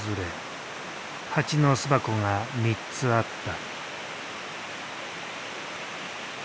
ハチの巣箱が３つあった。